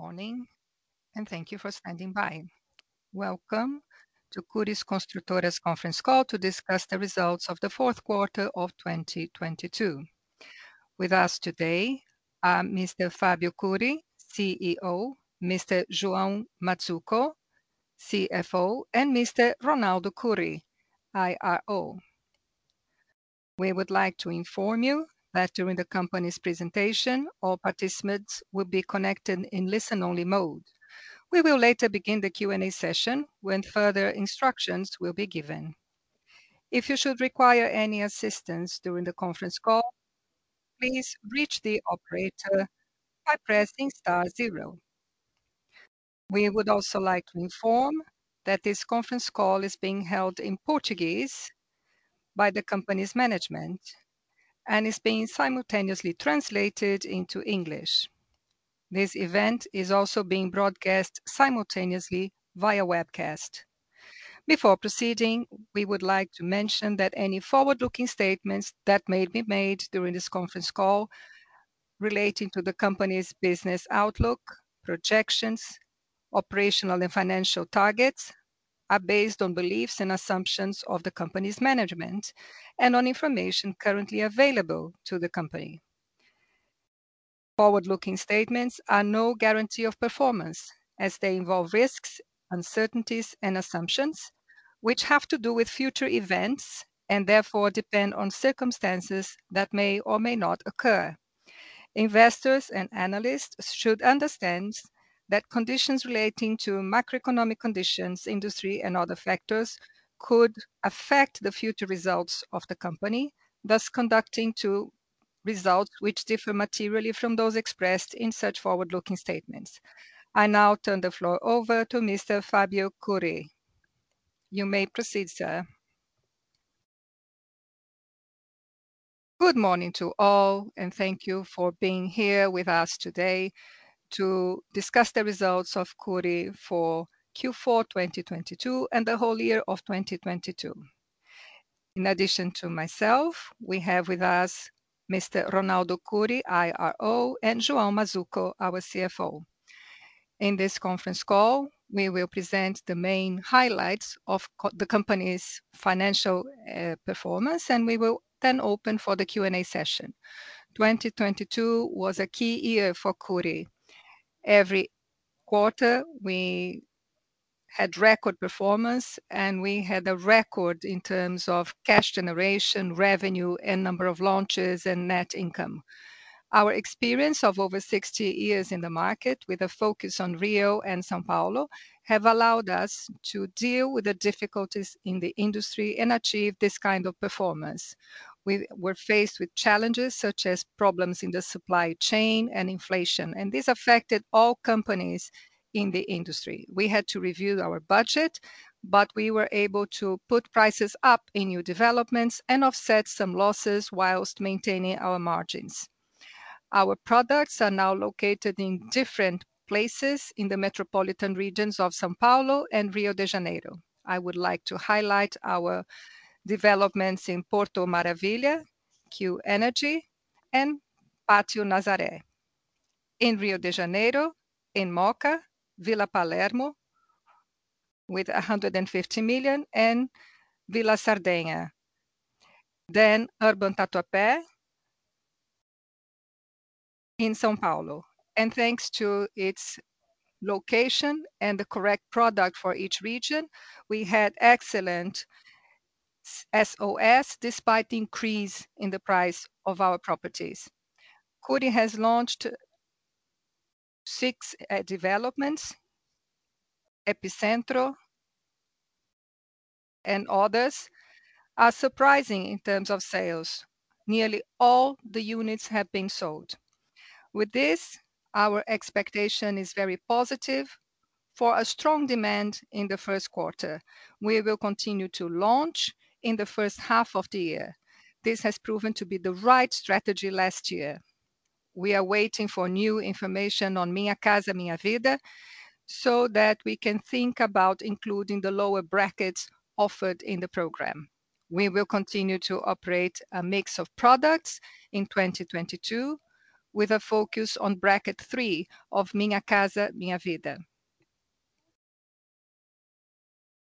Good morning, and thank you for standing by. Welcome to Cury Construtora's conference call to discuss the results of the 4th quarter of 2022. With us today are Mr. Fábio Cury, CEO, Mr. João Mazzuco, CFO, and Mr. Ronaldo Cury, IRO. We would like to inform you that during the company's presentation, all participants will be connected in listen-only mode. We will later begin the Q&A session when further instructions will be given. If you should require any assistance during the conference call, please reach the operator by pressing star zero. We would also like to inform that this conference call is being held in Portuguese by the company's management and is being simultaneously translated into English. This event is also being broadcast simultaneously via webcast. Before proceeding, we would like to mention that any forward-looking statements that may be made during this conference call relating to the company's business outlook, projections, operational and financial targets, are based on beliefs and assumptions of the company's management and on information currently available to the company. Forward-looking statements are no guarantee of performance as they involve risks, uncertainties and assumptions which have to do with future events and therefore depend on circumstances that may or may not occur. Investors and analysts should understand that conditions relating to macroeconomic conditions, industry, and other factors could affect the future results of the company, thus conducing to results which differ materially from those expressed in such forward-looking statements. I now turn the floor over to Mr. Fábio Cury. You may proceed, sir. Good morning to all. Thank you for being here with us today to discuss the results of Cury for Q4 2022, and the whole year of 2022. In addition to myself, we have with us Mr. Ronaldo Cury, IRO, and João Mazzuco, our CFO. In this conference call, we will present the main highlights of the company's financial performance. We will then open for the Q&A session. 2022 was a key year for Cury. Every quarter, we had record performance, and we had a record in terms of cash generation, revenue, and number of launches, and net income. Our experience of over 60 years in the market with a focus on Rio and São Paulo have allowed us to deal with the difficulties in the industry and achieve this kind of performance. We were faced with challenges such as problems in the supply chain and inflation, and this affected all companies in the industry. We had to review our budget, we were able to put prices up in new developments and offset some losses while maintaining our margins. Our products are now located in different places in the metropolitan regions of São Paulo and Rio de Janeiro. I would like to highlight our developments in Porto Maravilha, Q.Energy, and Patio Nazaré. In Rio de Janeiro, in Mooca, Vila Palermo with BRL 150 million, and Vila Sardinha. Urban Tatuapé in São Paulo. Thanks to its location and the correct product for each region, we had excellent SOS despite the increase in the price of our properties. Cury has launched six developments. Epicentro and others are surprising in terms of sales. Nearly all the units have been sold. With this, our expectation is very positive for a strong demand in the first quarter. We will continue to launch in the first half of the year. This has proven to be the right strategy last year. We are waiting for new information on Minha Casa, Minha Vida so that we can think about including the lower brackets offered in the program. We will continue to operate a mix of products in 2022 with a focus on bracket three of Minha Casa, Minha Vida.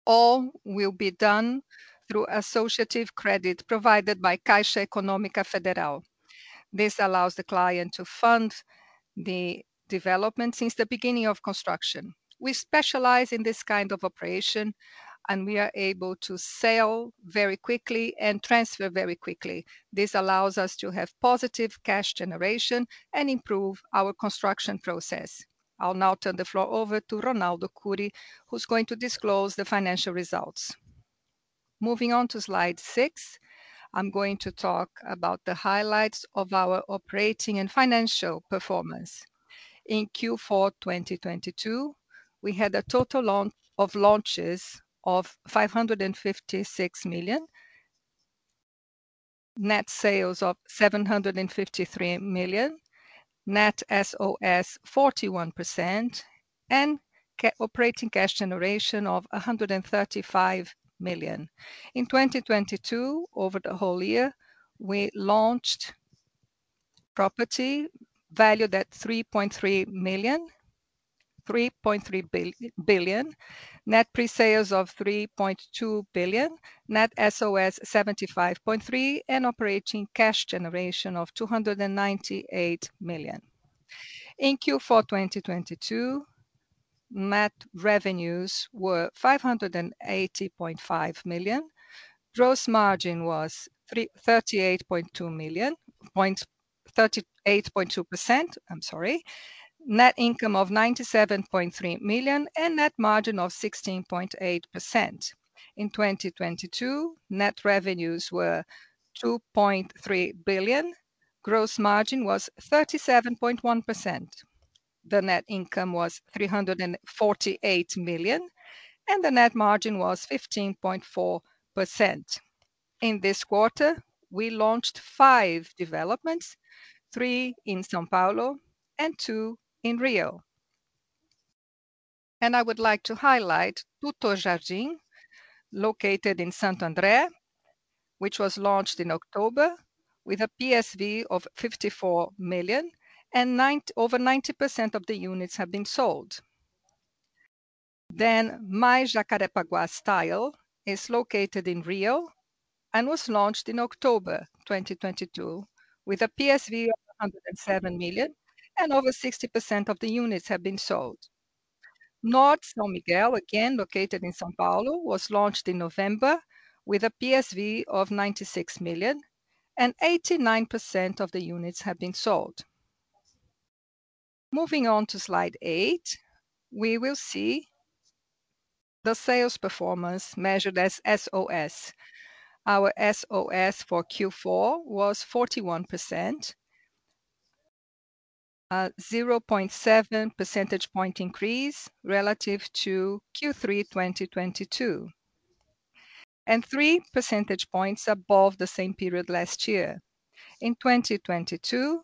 All will be done through associative credit provided by Caixa Econômica Federal. This allows the client to fund the development since the beginning of construction. We specialize in this kind of operation, and we are able to sell very quickly and transfer very quickly. This allows us to have positive cash generation and improve our construction process. I'll now turn the floor over to Ronaldo Cury, who's going to disclose the financial results. Moving on to slide 6, I'm going to talk about the highlights of our operating and financial performance. In Q4 2022, we had a total of launches of 556 million, net sales of 753 million, net SOS 41%, operating cash generation of 135 million. In 2022, over the whole year, we launched property valued at 3.3 billion. Net presales of 3.2 billion. Net SOS 75.3%, operating cash generation of 298 million. In Q4 2022, net revenues were 580.5 million. Gross margin was 38.2%, I'm sorry. Net income of 97.3 million, and net margin of 16.8%. In 2022, net revenues were 2.3 billion. Gross margin was 37.1%. The net income was 348 million, and the net margin was 15.4%. In this quarter, we launched five developments, three in São Paulo and two in Rio. I would like to highlight Tudo Jardim, located in Santo André, which was launched in October with a PSV of 54 million, over 90% of the units have been sold. My Jacarepaguá Style is located in Rio and was launched in October 2022 with a PSV of 107 million, and over 60% of the units have been sold. Norte São Miguel, again located in São Paulo, was launched in November with a PSV of 96 million and 89% of the units have been sold. Moving on to slide 8, we will see the sales performance measured as SOS. Our SOS for Q4 was 41%. 0.7 percentage point increase relative to Q3 2022, and 3 percentage points above the same period last year. In 2022,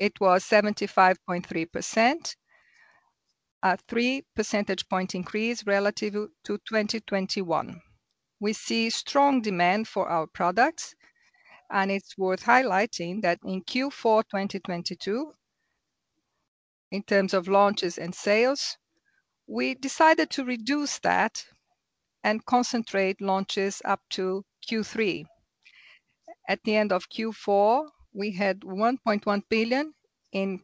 it was 75.3%. A 3 percentage point increase relative to 2021. We see strong demand for our products, and it's worth highlighting that in Q4 2022, in terms of launches and sales, we decided to reduce that and concentrate launches up to Q3. At the end of Q4, we had 1.1 billion in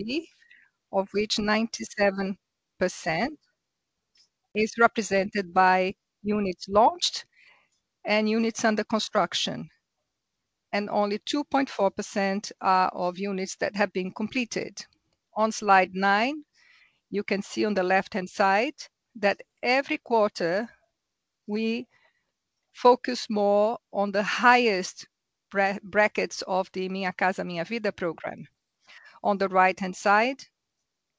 PSV, of which 97% is represented by units launched and units under construction. Only 2.4% are of units that have been completed. On slide 9, you can see on the left-hand side that every quarter we focus more on the highest brackets of the Minha Casa Minha Vida program. On the right-hand side,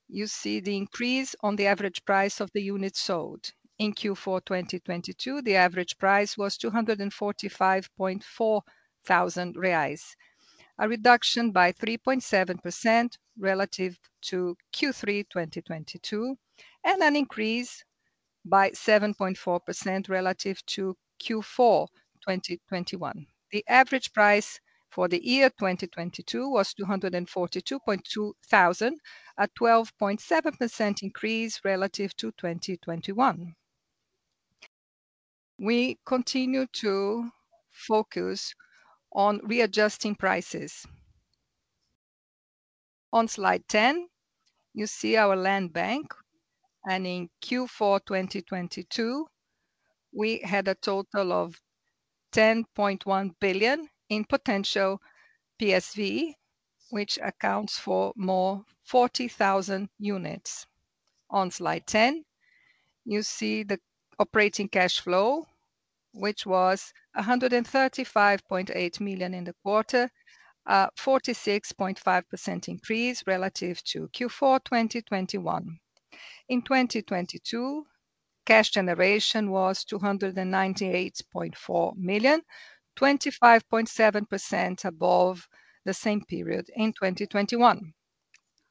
you see the increase on the average price of the units sold. In Q4 2022, the average price was 245.4 thousand reais. A reduction by 3.7% relative to Q3 2022, and an increase by 7.4% relative to Q4 2021. The average price for the year 2022 was 242.2 thousand, a 12.7% increase relative to 2021. We continue to focus on readjusting prices. On slide 10, you see our land bank. In Q4 2022, we had a total of 10.1 billion in potential PSV, which accounts for more 40,000 units. On slide 10, you see the operating cash flow, which was 135.8 million in the quarter. 46.5% increase relative to Q4 2021. In 2022, cash generation was 298.4 million. 25.7% above the same period in 2021.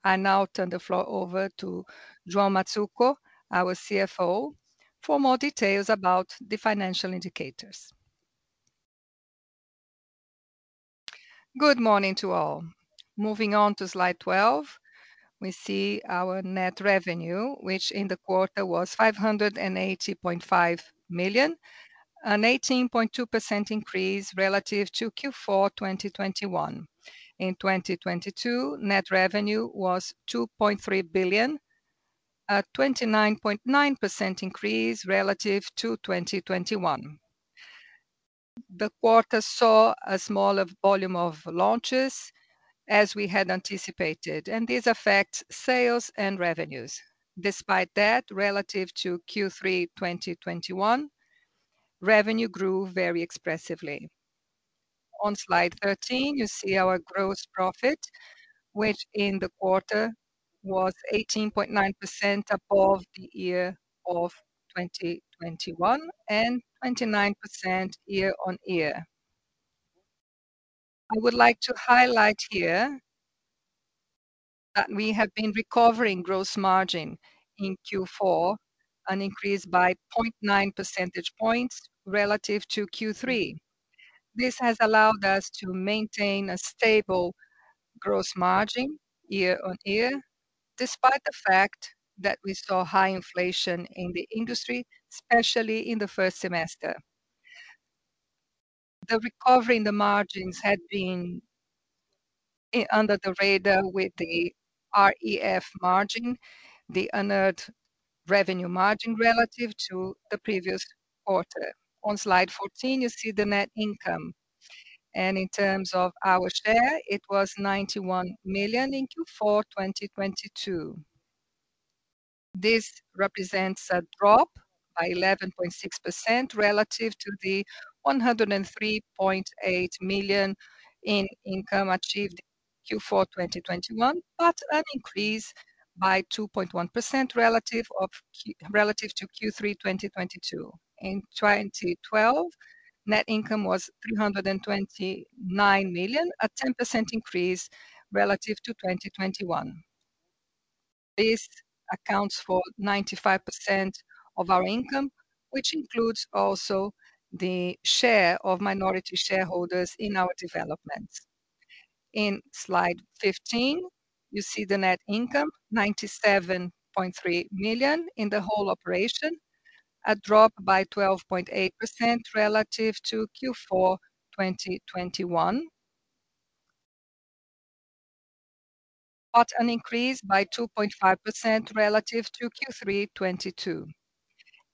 I now turn the floor over to João Mazzuco, our CFO, for more details about the financial indicators. Good morning to all. Moving on to slide 12, we see our net revenue, which in the quarter was 580.5 million, an 18.2% increase relative to Q4 2021. In 2022, net revenue was 2.3 billion, a 29.9% increase relative to 2021. The quarter saw a smaller volume of launches as we had anticipated, this affects sales and revenues. Despite that, relative to Q3 2021, revenue grew very expressively. On slide 13, you see our gross profit, which in the quarter was 18.9% above the year of 2021 and 29% year-on-year. I would like to highlight here that we have been recovering gross margin in Q4, an increase by 0.9 percentage points relative to Q3. This has allowed us to maintain a stable gross margin year-on-year, despite the fact that we saw high inflation in the industry, especially in the first semester. The recovery in the margins had been under the radar with the REF margin, the unearned revenue margin relative to the previous quarter. On slide 14, you see the net income. In terms of our share, it was 91 million in Q4 2022. This represents a drop by 11.6% relative to the 103.8 million in income achieved Q4 2021, but an increase by 2.1% relative to Q3 2022. In 2012, net income was 329 million, a 10% increase relative to 2021. This accounts for 95% of our income, which includes also the share of minority shareholders in our developments. In slide 15, you see the net income, 97.3 million in the whole operation, a drop by 12.8% relative to Q4 2021. An increase by 2.5% relative to Q3 2022.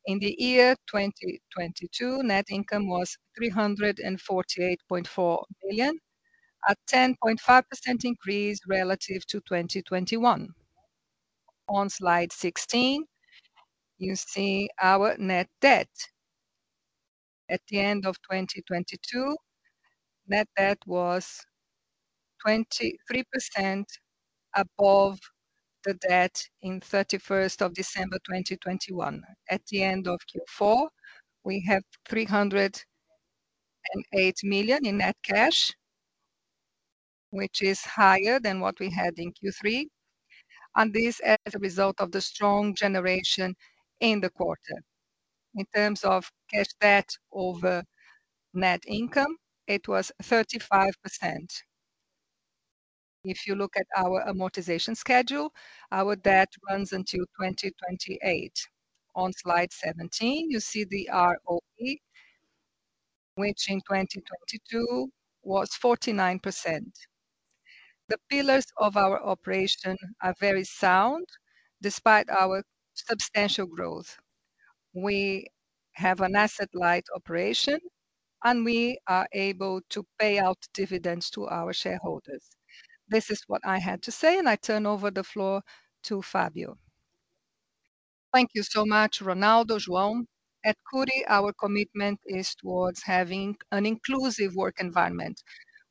In the year 2022, net income was 348.4 billion, a 10.5% increase relative to 2021. On slide 16, you see our net debt. At the end of 2022, net debt was 23% above the debt in 31st of December 2021. At the end of Q4, we have 308 million in net cash, which is higher than what we had in Q3. This as a result of the strong generation in the quarter. In terms of cash debt over net income, it was 35%. If you look at our amortization schedule, our debt runs until 2028. On slide 17, you see the ROE, which in 2022 was 49%. The pillars of our operation are very sound despite our substantial growth. We have an asset-light operation, and we are able to pay out dividends to our shareholders. This is what I had to say, and I turn over the floor to Fábio. Thank you so much, Ronaldo, João. At Cury, our commitment is towards having an inclusive work environment.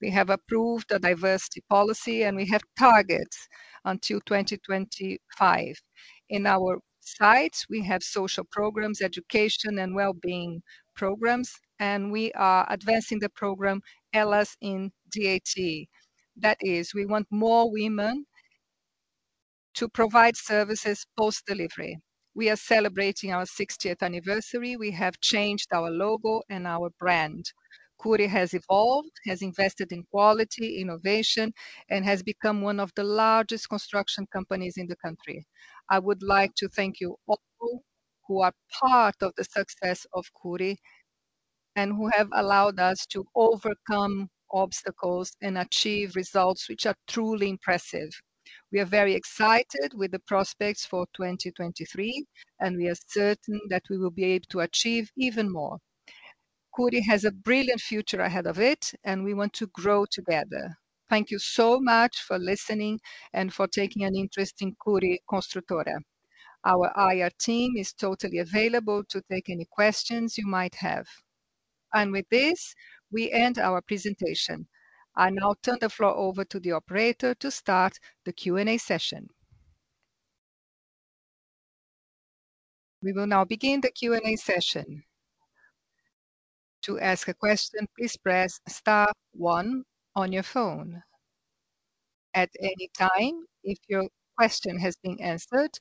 We have approved a diversity policy, and we have targets until 2025. In our sites, we have social programs, education, and wellbeing programs, and we are advancing the program LS in DAT. That is, we want more women to provide services post-delivery. We are celebrating our 60th anniversary. We have changed our logo and our brand. Cury has evolved, has invested in quality, innovation, and has become one of the largest construction companies in the country. I would like to thank you all who are part of the success of Cury and who have allowed us to overcome obstacles and achieve results which are truly impressive. We are very excited with the prospects for 2023, and we are certain that we will be able to achieve even more. Cury has a brilliant future ahead of it, and we want to grow together. Thank you so much for listening and for taking an interest in Cury Construtora. Our IR team is totally available to take any questions you might have. With this, we end our presentation. I now turn the floor over to the operator to start the Q&A session. We will now begin the Q&A session. To ask a question, please press star 1 on your phone. At any time, if your question has been answered,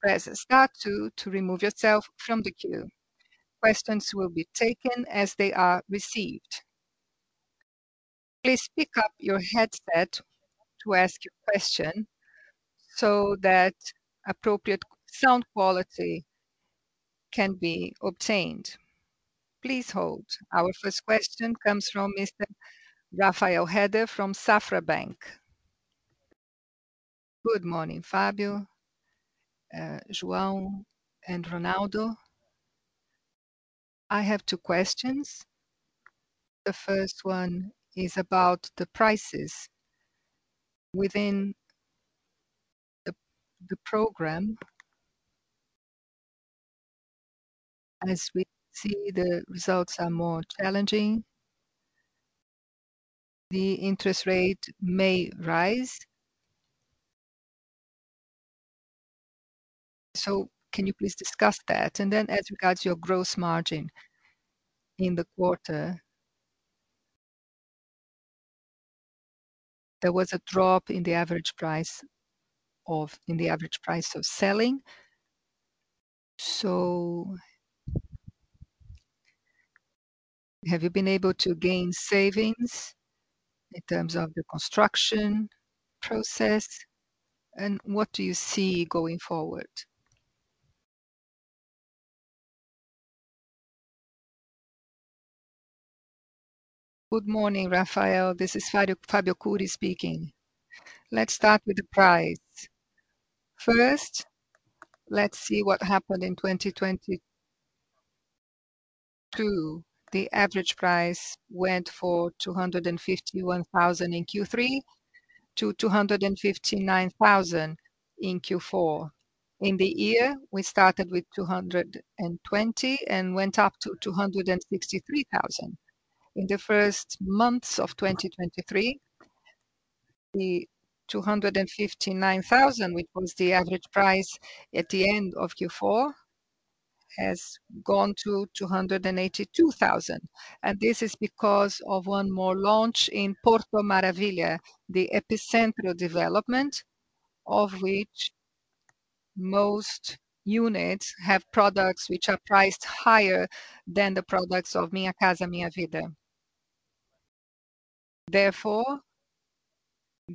press star two to remove yourself from the queue. Questions will be taken as they are received. Please pick up your headset to ask your question so that appropriate sound quality can be obtained. Please hold. Our first question comes from Mr. Rafael Rehder from Safra Bank. Good morning, Fábio, João, and Ronaldo. I have two questions. The first one is about the prices within the program. As we see, the results are more challenging. The interest rate may rise. Can you please discuss that? As regards your gross margin in the quarter, there was a drop in the average price of selling. Have you been able to gain savings in terms of the construction process, and what do you see going forward? Good morning, Rafael. This is Fábio Cury speaking. Let's start with the price. First, let's see what happened in 2022. The average price went for 251,000 in Q3 to 259,000 in Q4. In the year, we started with 220,000 and went up to 263,000. In the first months of 2023, the 259,000, which was the average price at the end of Q4, has gone to 282,000. This is because of one more launch in Porto Maravilha, the Epicentro development, of which most units have products which are priced higher than the products of Minha Casa, Minha Vida.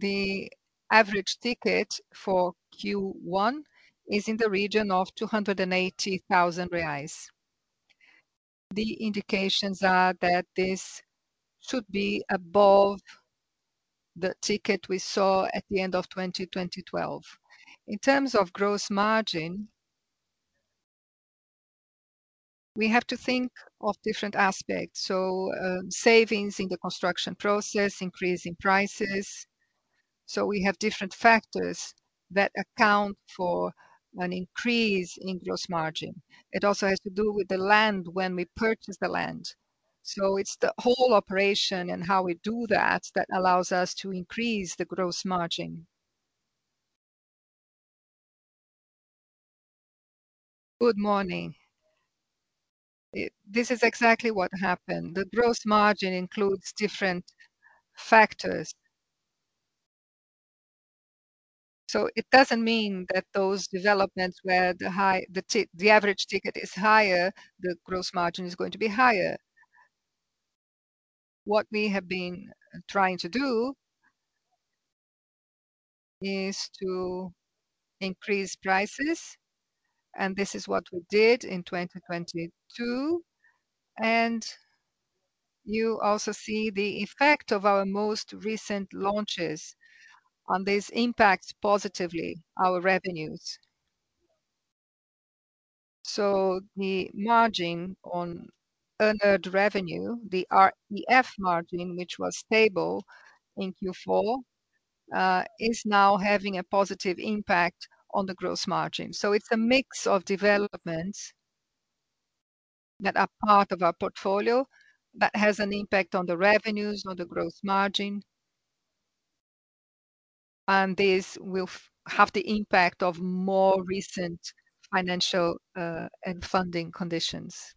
The average ticket for Q1 is in the region of 280,000 reais. The indications are that this should be above the ticket we saw at the end of 2012. In terms of gross margin, we have to think of different aspects. Savings in the construction process, increase in prices. We have different factors that account for an increase in gross margin. It also has to do with the land when we purchase the land. It's the whole operation and how we do that allows us to increase the gross margin. Good morning. This is exactly what happened. The gross margin includes different factors. It doesn't mean that those developments where the average ticket is higher, the gross margin is going to be higher. What we have been trying to do is to increase prices, and this is what we did in 2022. You also see the effect of our most recent launches on this impact positively our revenues. The margin on unearned revenue, The F margin, which was stable in Q4, is now having a positive impact on the gross margin. It's a mix of developments that are part of our portfolio that has an impact on the revenues, on the gross margin. This will have the impact of more recent financial and funding conditions.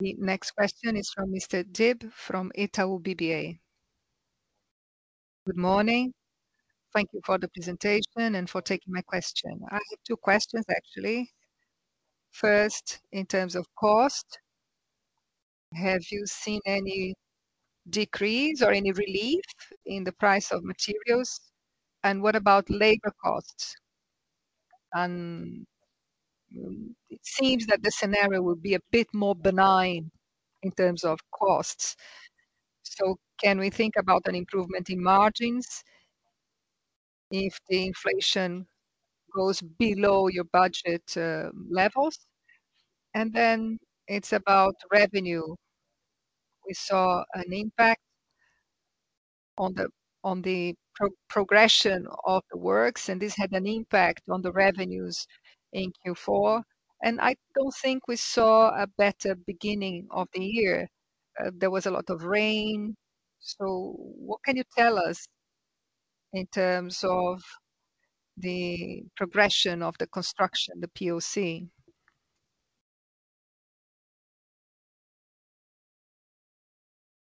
The next question is from Mr. Dibe from Itaú BBA. Good morning. Thank you for the presentation and for taking my question. I have two questions, actually. First, in terms of cost, have you seen any decrease or any relief in the price of materials, and what about labor costs? It seems that the scenario will be a bit more benign in terms of costs. Can we think about an improvement in margins if the inflation goes below your budget levels? It's about revenue. We saw an impact on the progression of the works, and this had an impact on the revenues in Q4. I don't think we saw a better beginning of the year. There was a lot of rain. What can you tell us in terms of the progression of the construction, the POC?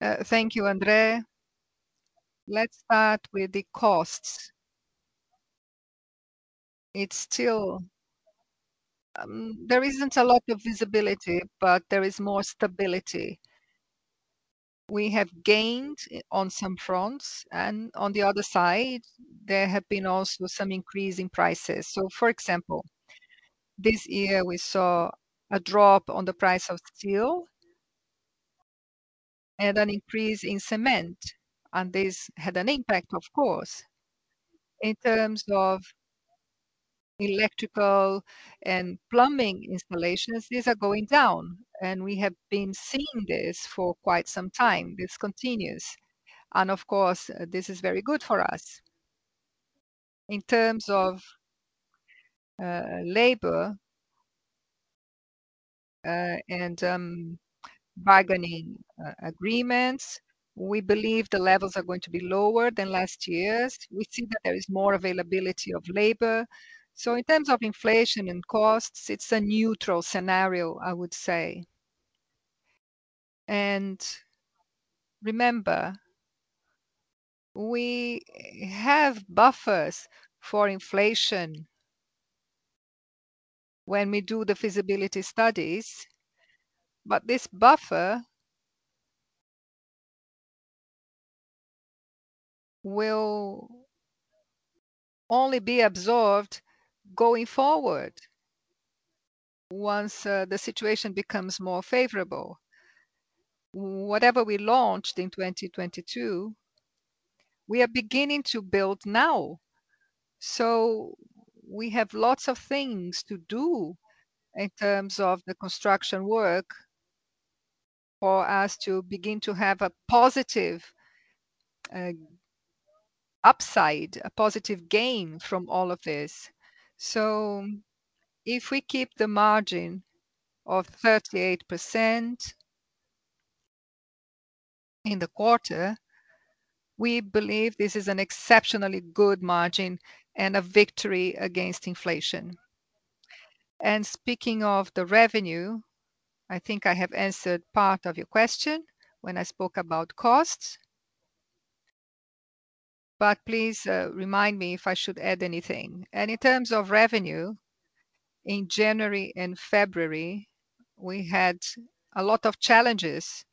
Thank you, Andre. Let's start with the costs. It's still, there isn't a lot of visibility, but there is more stability. We have gained on some fronts and on the other side, there have been also some increase in prices. For example, this year we saw a drop on the price of steel and an increase in cement, and this had an impact, of course. In terms of electrical and plumbing installations, these are going down, and we have been seeing this for quite some time. This continues. Of course, this is very good for us. In terms of labor and bargaining agreements. We believe the levels are going to be lower than last year's. We think that there is more availability of labor. In terms of inflation and costs, it's a neutral scenario, I would say. Remember, we have buffers for inflation when we do the feasibility studies. This buffer will only be absorbed going forward once the situation becomes more favorable. Whatever we launched in 2022, we are beginning to build now. We have lots of things to do in terms of the construction work for us to begin to have a positive upside, a positive gain from all of this. If we keep the margin of 38% in the quarter, we believe this is an exceptionally good margin and a victory against inflation. Speaking of the revenue, I think I have answered part of your question when I spoke about costs. Please remind me if I should add anything. In terms of revenue, in January and February, we had a lot of challenges.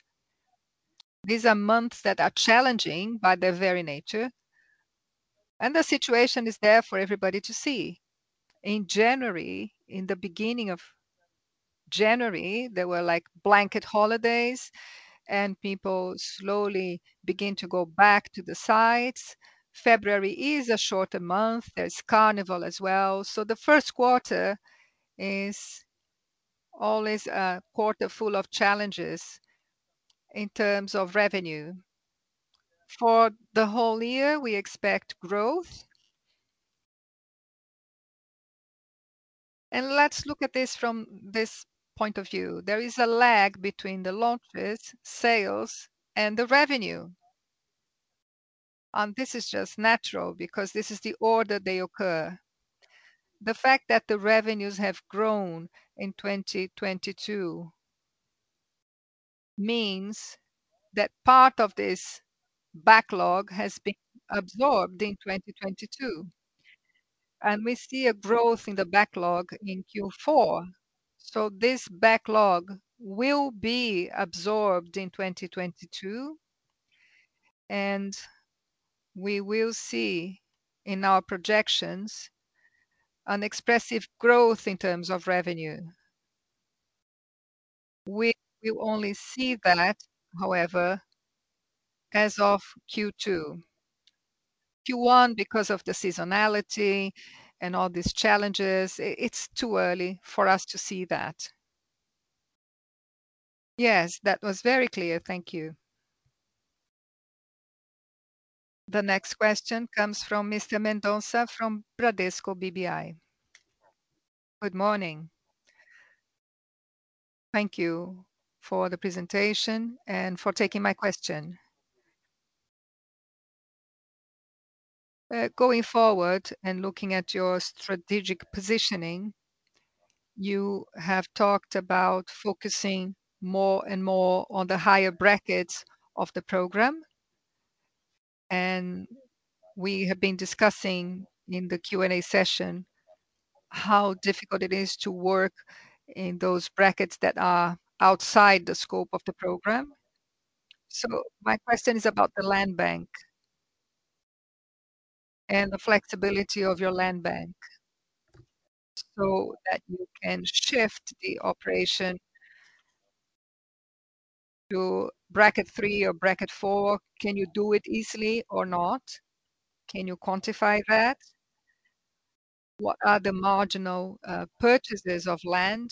These are months that are challenging by their very nature, and the situation is there for everybody to see. In January, in the beginning of January, there were, like, blanket holidays and people slowly begin to go back to the sites. February is a shorter month. There's Carnival as well. The first quarter is always a quarter full of challenges in terms of revenue. For the whole year, we expect growth. Let's look at this from this point of view. There is a lag between the launches, sales, and the revenue. This is just natural because this is the order they occur. The fact that the revenues have grown in 2022 means that part of this backlog has been absorbed in 2022. We see a growth in the backlog in Q4. This backlog will be absorbed in 2022, and we will see in our projections an expressive growth in terms of revenue. We will only see that, however, as of Q2. Q1, because of the seasonality and all these challenges, it's too early for us to see that. Yes, that was very clear. Thank you. The next question comes from Mr. Mendonça from Bradesco BBI. Good morning. Thank you for the presentation and for taking my question. Going forward and looking at your strategic positioning, you have talked about focusing more and more on the higher brackets of the program. We have been discussing in the Q&A session how difficult it is to work in those brackets that are outside the scope of the program. My question is about the land bank and the flexibility of your land bank so that you can shift the operation to bracket three or bracket four. Can you do it easily or not? Can you quantify that? What are the marginal purchases of land?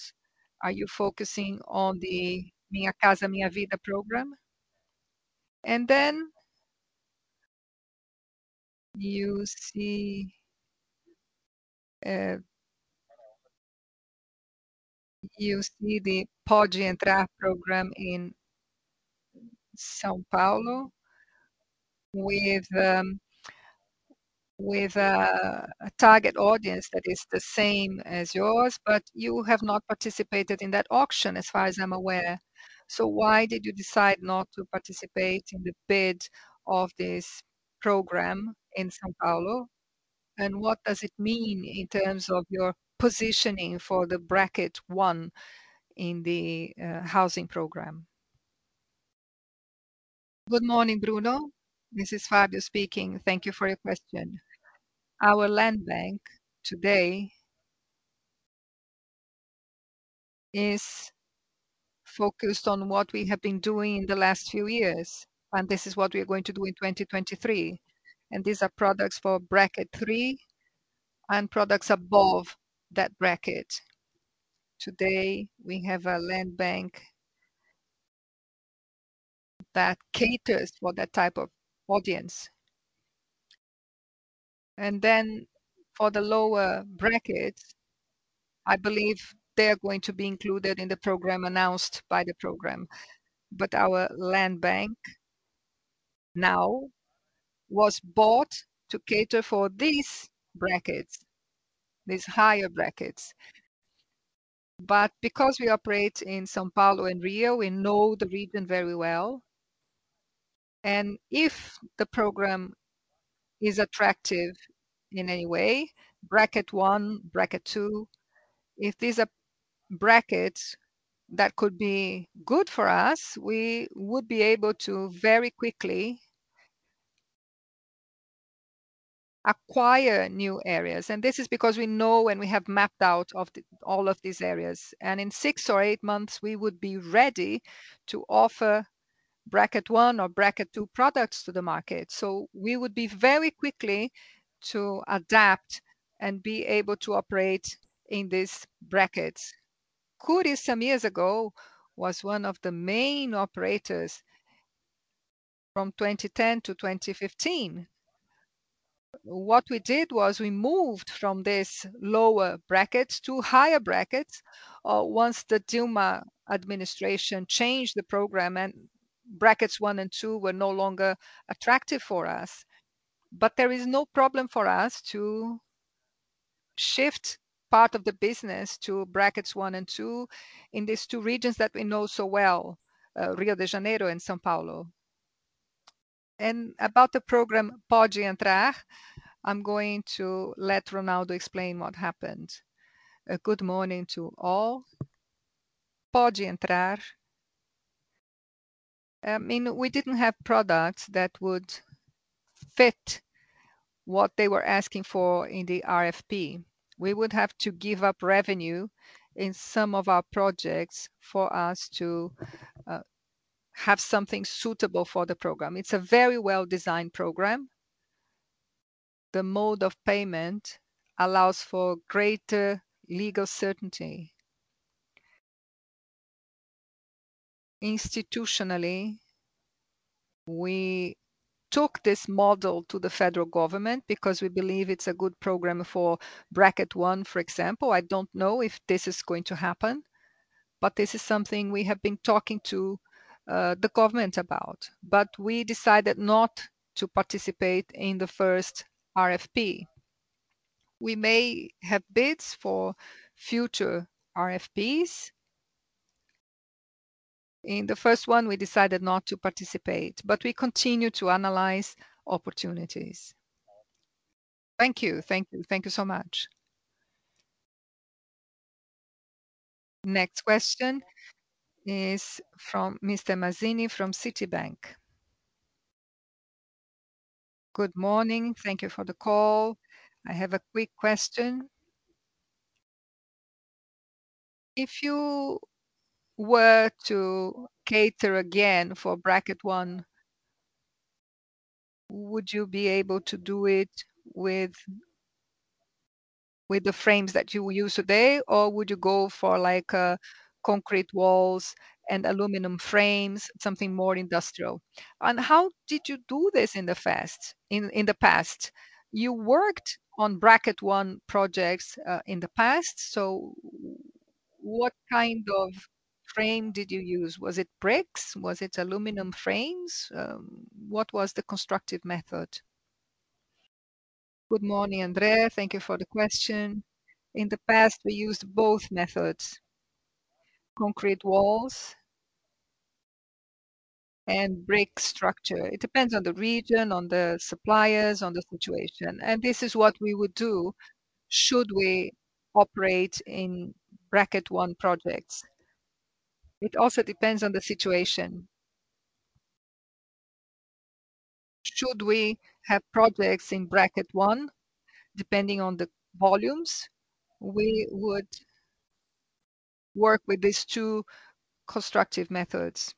Are you focusing on the Minha Casa, Minha Vida program? You see the Pode Entrar program in São Paulo with a target audience that is the same as yours, but you have not participated in that auction as far as I'm aware. Why did you decide not to participate in the bid of this program in São Paulo? What does it mean in terms of your positioning for the bracket one in the housing program? Good morning, Bruno. This is Fábio speaking. Thank you for your question. Our land bank today is focused on what we have been doing in the last few years, and this is what we are going to do in 2023. These are products for bracket three and products above that bracket. Today, we have a land bank that caters for that type of audience. For the lower bracket, I believe they are going to be included in the program announced by the program. Our land bank now was bought to cater for these brackets, these higher brackets. Because we operate in São Paulo and Rio, we know the region very well. If the program is attractive in any way, bracket 1, bracket 2, if these are brackets that could be good for us, we would be able to very quickly acquire new areas. This is because we know and we have mapped all of these areas. In 6 or 8 months, we would be ready to offer bracket 1 or bracket 2 products to the market. We would be very quickly to adapt and be able to operate in these brackets. Cury some years ago was one of the main operators from 2010 to 2015. What we did was we moved from this lower bracket to higher bracket once the Dilma administration changed the program and brackets 1 and 2 were no longer attractive for us. There is no problem for us to shift part of the business to brackets one and two in these two regions that we know so well, Rio de Janeiro and São Paulo. About the program Pode Entrar, I'm going to let Ronaldo explain what happened. Good morning to all. Pode Entrar, I mean, we didn't have products that would fit what they were asking for in the RFP. We would have to give up revenue in some of our projects for us to have something suitable for the program. It's a very well-designed program. The mode of payment allows for greater legal certainty. Institutionally, we took this model to the federal government because we believe it's a good program for bracket one, for example. I don't know if this is going to happen, this is something we have been talking to the government about. We decided not to participate in the first RFP. We may have bids for future RFPs. In the first one, we decided not to participate, but we continue to analyze opportunities. Thank you. Thank you. Thank you so much. Next question is from Mr. Mazzini from Citibank. Good morning. Thank you for the call. I have a quick question. If you were to cater again for bracket one, would you be able to do it with the frames that you use today? Would you go for like concrete walls and aluminum frames, something more industrial? How did you do this in the past? You worked on bracket one projects in the past. What kind of frame did you use? Was it bricks? Was it aluminum frames? What was the constructive method? Good morning, André. Thank you for the question. In the past, we used both methods: concrete walls and brick structure. It depends on the region, on the suppliers, on the situation. This is what we would do should we operate in bracket one projects. It also depends on the situation. Should we have projects in bracket one, depending on the volumes, we would work with these 2 constructive methods.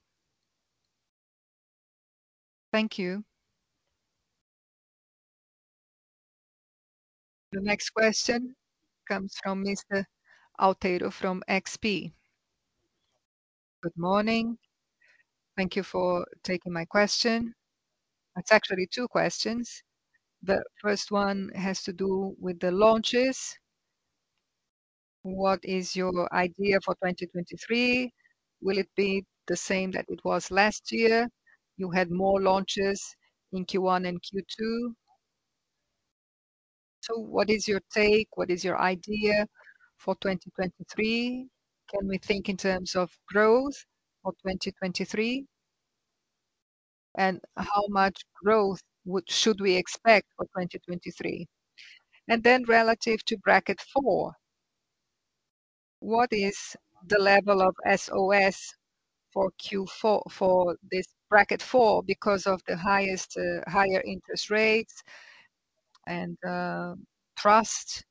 Thank you. The next question comes from Mr. Altero from XP. Good morning. Thank you for taking my question. It's actually 2 questions. The first one has to do with the launches. What is your idea for 2023? Will it be the same that it was last year? You had more launches in Q1 and Q2. What is your take? What is your idea for 2023? Can we think in terms of growth for 2023? How much growth should we expect for 2023? Relative to bracket four, what is the level of SOS for Q4 for this bracket four because of the highest, higher interest rates and trust?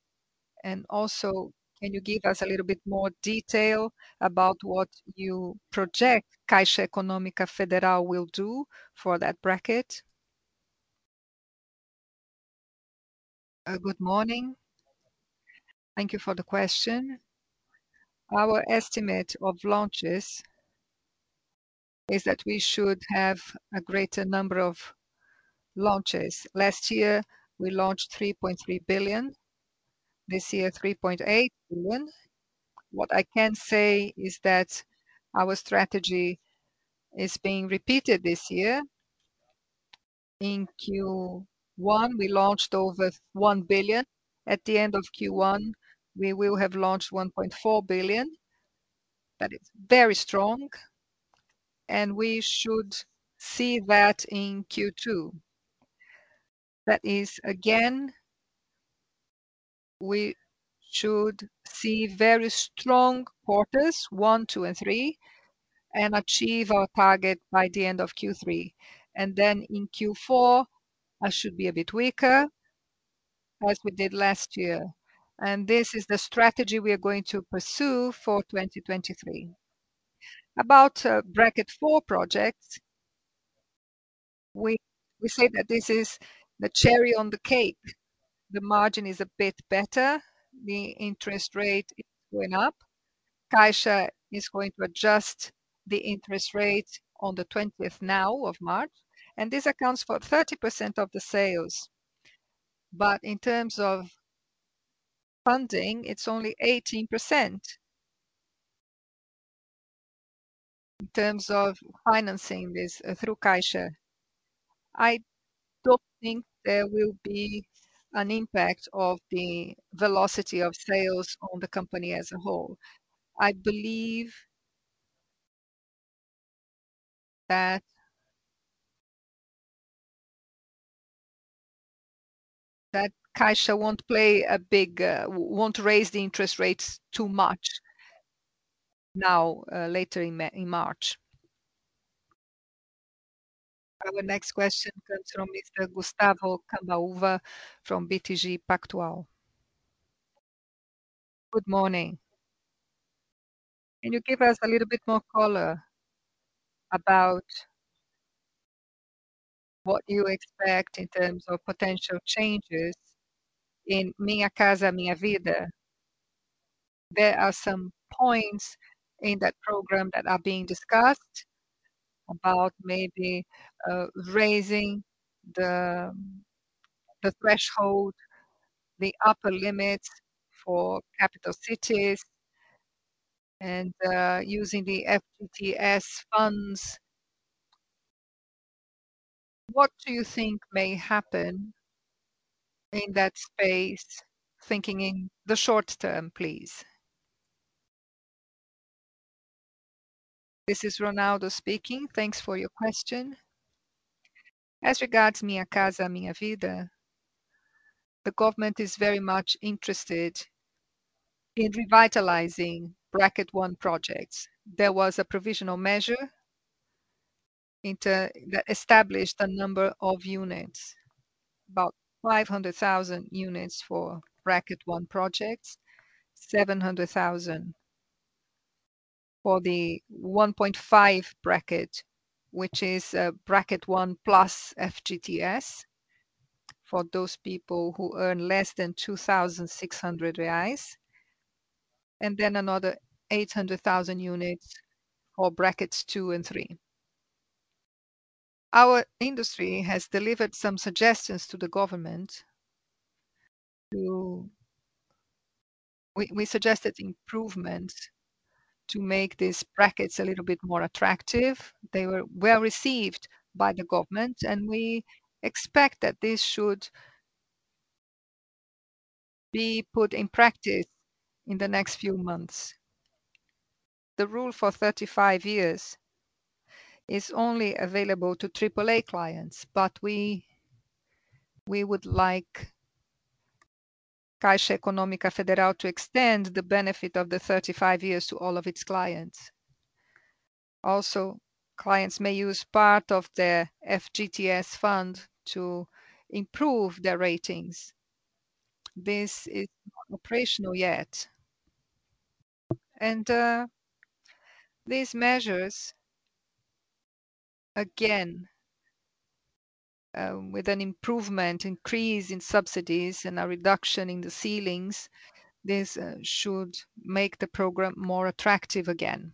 Also, can you give us a little bit more detail about what you project Caixa Econômica Federal will do for that bracket? Good morning. Thank you for the question. Our estimate of launches is that we should have a greater number of launches. Last year we launched 3.3 billion. This year, 3.8 billion. What I can say is that our strategy is being repeated this year. In Q1, we launched over 1 billion. At the end of Q1, we will have launched 1.4 billion. That is very strong, and we should see that in Q2. That is, again, we should see very strong quarters, 1, 2, and 3, and achieve our target by the end of Q3. In Q4, that should be a bit weaker, as we did last year. This is the strategy we are going to pursue for 2023. About bracket four projects, we say that this is the cherry on the cake. The margin is a bit better, the interest rate is going up. Caixa is going to adjust the interest rate on the 20th now of March, and this accounts for 30% of the sales. In terms of funding, it's only 18% in terms of financing this through Caixa. I don't think there will be an impact of the velocity of sales on the company as a whole. I believe that Caixa won't play a big, won't raise the interest rates too much now, later in March. Our next question comes from Mr. Gustavo Cambauva from BTG Pactual. Good morning. Can you give us a little bit more color about what you expect in terms of potential changes in Minha Casa, Minha Vida? There are some points in that program that are being discussed about maybe raising the threshold, the upper limits for capital cities and using the FGTS funds. What do you think may happen in that space, thinking in the short term, please? This is Ronaldo speaking. Thanks for your question. As regards Minha Casa, Minha Vida, the government is very much interested in revitalizing bracket one projects. There was a provisional measure that established a number of units, about 500,000 units for bracket one projects, 700,000 for the 1.5 bracket, which is a bracket one plus FGTS, for those people who earn less than 2,600 reais. Another 800,000 units for brackets 2 and 3. Our industry has delivered some suggestions to the government. We suggested improvements to make these brackets a little bit more attractive. They were well received by the government, we expect that this should be put in practice in the next few months. The rule for 35 years is only available to AAA clients, we would like Caixa Econômica Federal to extend the benefit of the 35 years to all of its clients. Clients may use part of their FGTS fund to improve their ratings. This is not operational yet. These measures, again, with an improvement increase in subsidies and a reduction in the ceilings, this should make the program more attractive again.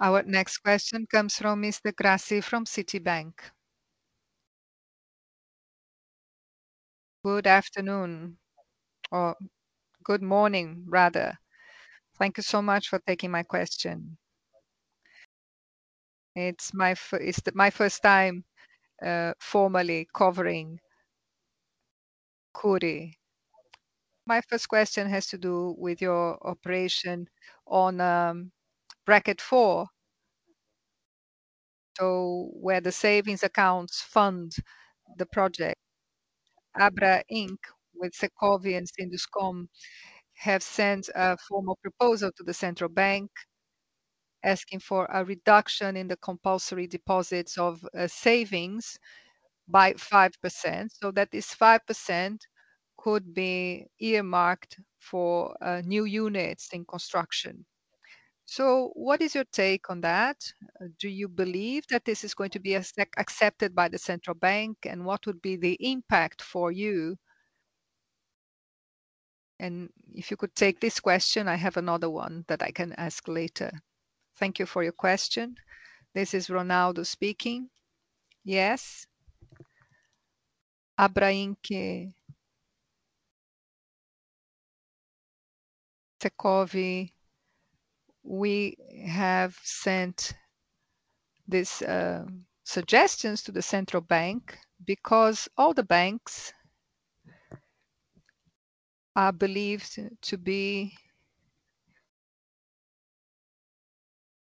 Our next question comes from Mr. Grassi from Citibank. Good afternoon, or good morning rather. Thank you so much for taking my question. It's my first time formally covering Cury. My first question has to do with your operation on bracket four. Where the savings accounts fund the project. Abrainc with Secovi and SindusCon have sent a formal proposal to the Central Bank, asking for a reduction in the compulsory deposits of savings by 5%, so that this 5% could be earmarked for new units in construction. What is your take on that? Do you believe that this is going to be accepted by the Central Bank, and what would be the impact for you? If you could take this question, I have another one that I can ask later. Thank you for your question. This is Ronaldo speaking. Yes. Abrainc and Secovi, we have sent these suggestions to the Central Bank because all the banks are believed to be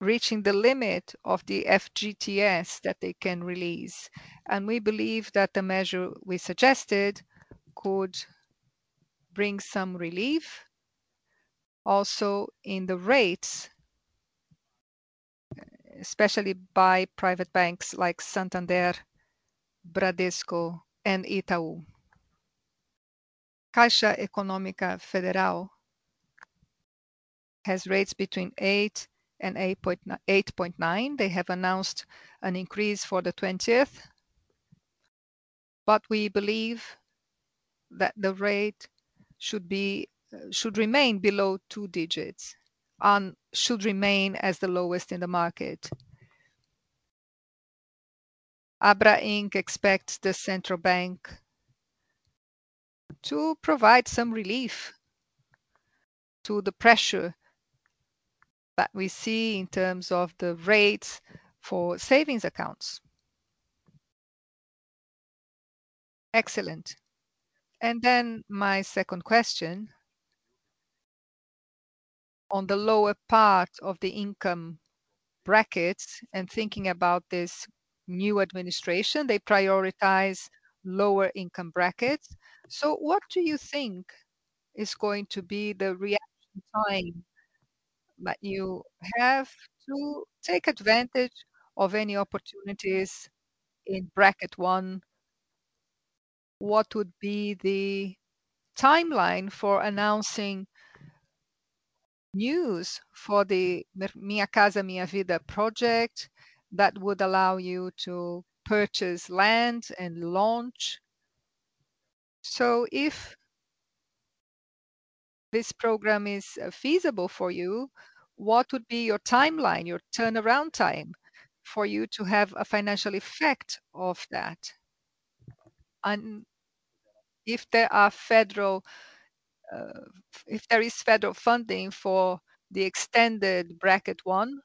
reaching the limit of the FGTS that they can release. We believe that the measure we suggested could bring some relief also in the rates, especially by private banks like Santander, Bradesco, and Itaú. Caixa Econômica Federal has rates between 8 and 8.9. They have announced an increase for the twentieth. We believe that the rate should remain below 2 digits and should remain as the lowest in the market. Abrainc expects the Central Bank to provide some relief to the pressure that we see in terms of the rates for savings accounts. Excellent. My second question. On the lower part of the income brackets and thinking about this new administration, they prioritize lower income brackets. What do you think is going to be the reaction time that you have to take advantage of any opportunities in bracket one? What would be the timeline for announcing news for the Minha Casa, Minha Vida project that would allow you to purchase land and launch? If this program is feasible for you, what would be your timeline, your turnaround time for you to have a financial effect of that? And if there are federal, if there is federal funding for the extended bracket one,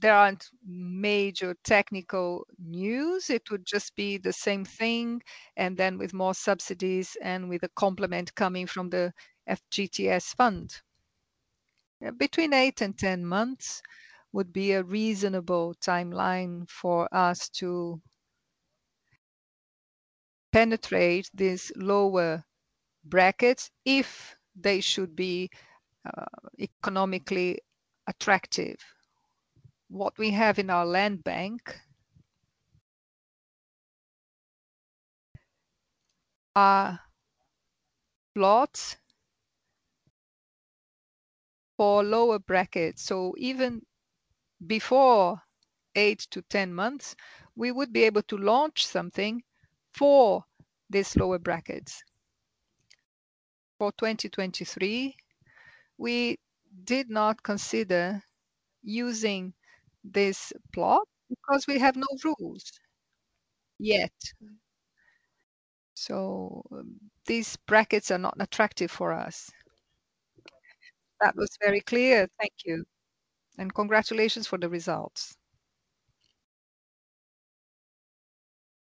there aren't major technical news. It would just be the same thing then with more subsidies and with a complement coming from the FGTS fund. Between eight and ten months would be a reasonable timeline for us to penetrate these lower brackets if they should be economically attractive. What we have in our land bank are plots for lower brackets. Even before eight to ten months, we would be able to launch something for these lower brackets. For 2023, we did not consider using this plot because we have no rules yet. These brackets are not attractive for us. That was very clear. Thank you, congratulations for the results.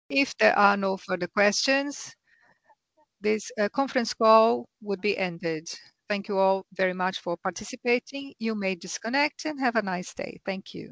If there are no further questions, this conference call would be ended. Thank you all very much for participating. You may disconnect and have a nice day. Thank you.